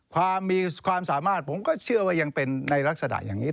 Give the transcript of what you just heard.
ความมีความสามารถผมก็เชื่อว่ายังเป็นในลักษณะอย่างนี้